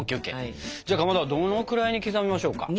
じゃあかまどどれくらいに刻みましょうか？